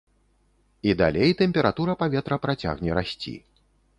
І далей тэмпература паветра працягне расці.